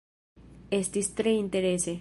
Estis tre interese